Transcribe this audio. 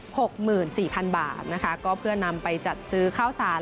หกหมื่นสี่พันบาทนะคะก็เพื่อนำไปจัดซื้อข้าวสาร